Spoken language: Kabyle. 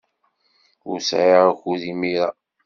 Ur sɛiɣ akud imir-a.